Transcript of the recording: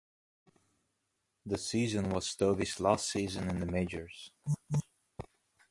The season was Stovey's last season in the majors.